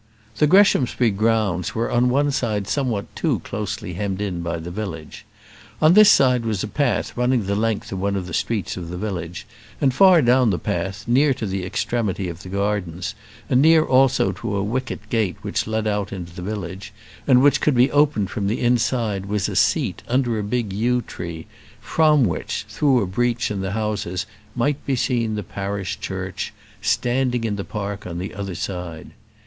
The Greshamsbury grounds were on one side somewhat too closely hemmed in by the village. On this side was a path running the length of one of the streets of the village; and far down the path, near to the extremity of the gardens, and near also to a wicket gate which led out into the village, and which could be opened from the inside, was a seat, under a big yew tree, from which, through a breach in the houses, might be seen the parish church, standing in the park on the other side.